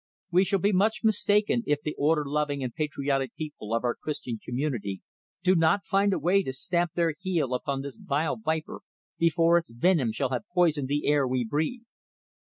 We shall be much mistaken if the order loving and patriotic people of our Christian community do not find a way to stamp their heel upon this vile viper before its venom shall have poisoned the air we breathe."